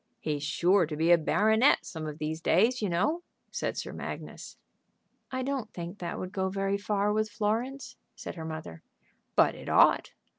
"He's sure to be a baronet some of these days, you know," said Sir Magnus. "I don't think that would go very far with Florence," said her mother. "But it ought.